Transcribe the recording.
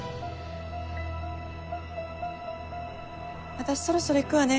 私そろそろ行くわね。